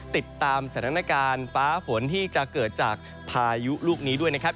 ติดตามสถานการณ์ฟ้าฝนที่จะเกิดจากพายุลูกนี้ด้วยนะครับ